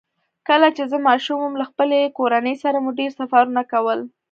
کله چې زه ماشوم وم، له خپلې کورنۍ سره مو ډېر سفرونه کول.